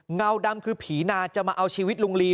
เงาดำคือผีนาจะมาเอาชีวิตลุงลี